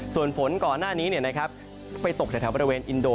ส่วนฝนก่อนหน้านี้ไปตกแถวบริเวณอินโด